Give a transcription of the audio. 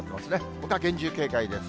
ほか厳重警戒です。